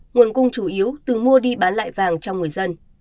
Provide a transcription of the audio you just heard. nguồn cung chủ yếu từ mua đi bán lại vàng trong người dân